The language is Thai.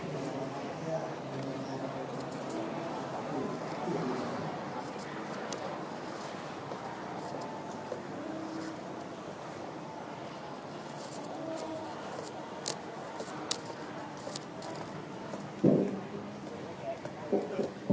เค้าระถดไว้